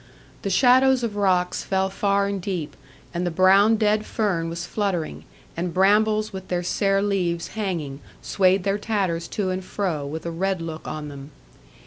The shadows of rocks fell far and deep, and the brown dead fern was fluttering, and brambles with their sere leaves hanging, swayed their tatters to and fro, with a red look on them.